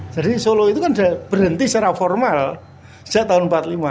jadi solo itu kan berhenti secara formal sejak tahun seribu sembilan ratus empat puluh lima